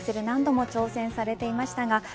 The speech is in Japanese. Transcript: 何度も挑戦されていました。